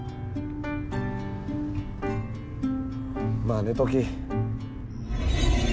まあ寝とき。